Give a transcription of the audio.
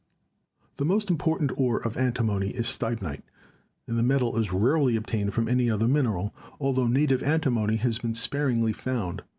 The most important ore of antimony is Stibnite, and the metal is rarely obtained from any other mineral, altho na tive antimony has been sparingly found.